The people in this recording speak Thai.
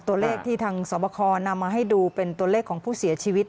ตัวเลขที่ทางสวบคอนำมาให้ดูเป็นตัวเลขของผู้เสียชีวิต